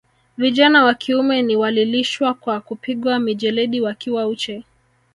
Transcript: Vijana wa kiume ni walilishwa kwa kupigwa mijeledi wakiwa uchi